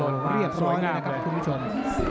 เรียบร้อยเลยนะครับคุณผู้ชม